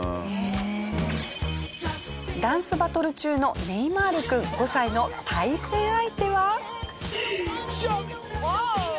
ダンスバトル中のネイマール君５歳の対戦相手は。